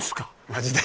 マジで。